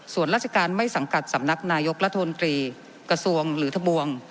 ส่วนราชการไม่สังกัดสำนักนายกรัฐมนตรีกระทรวงหรือทะบวง